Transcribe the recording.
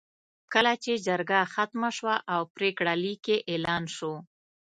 کله چې جرګه ختمه شوه او پرېکړه لیک یې اعلان شو.